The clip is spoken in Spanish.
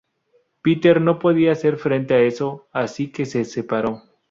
Peter no podía hacer frente a eso, así que se separó"".